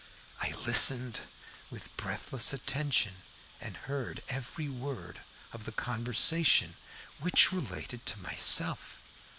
I listened with breathless attention, and heard every word of the conversation, which related to myself.